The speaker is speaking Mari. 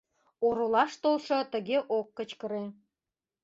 Оролаш толшо тыге ок кычкыре...